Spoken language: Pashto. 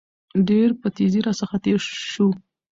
ډېر په تېزى راڅخه تېر شو.